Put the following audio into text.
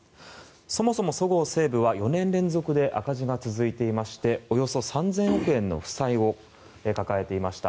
そもそも、そごう・西武は４年連続で赤字が続いていましておよそ３０００億円の負債を抱えていました。